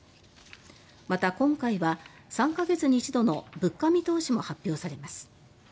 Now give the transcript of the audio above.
また、今回は３か月に一度の物価見通しも発表されます。